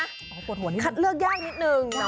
ปวดห่วงนิดนึงคัดเลือกยากนิดนึง